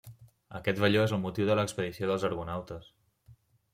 Aquest velló és el motiu de l'expedició dels argonautes.